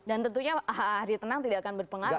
dan tentunya hari tenang tidak akan berpengaruh